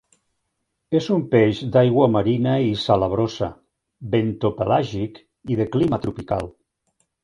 És un peix d'aigua marina i salabrosa, bentopelàgic i de clima tropical.